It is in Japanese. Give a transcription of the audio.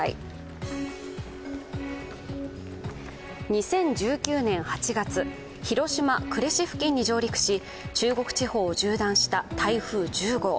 ２０１９年８月、広島・呉市付近に上陸し、中国地方を縦断した台風１０号。